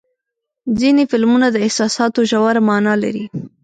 ځینې فلمونه د احساساتو ژوره معنا لري.